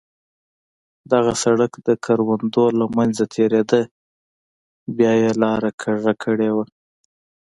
دغه سړک د کروندو له منځه تېرېده، بیا یې لاره کږه کړې وه.